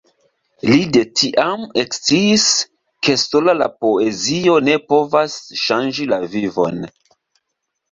Li de tiam eksciis, ke sola la poezio ne povas ŝanĝi la vivon.